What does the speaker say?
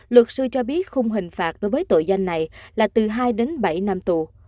luật sư cho biết khung hình phạt đối với tội danh này là từ hai đến bảy năm tù